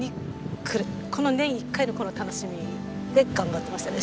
この年一回のこの楽しみで頑張ってましたね